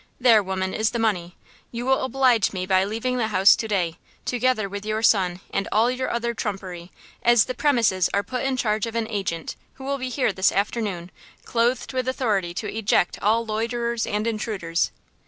There, woman, is the money. You will oblige me by leaving the house to day, together with your son and all your other trumpery, as the premises are put in charge of an agent, who will be here this afternoon, clothed with authority to eject all loiterers and intruders."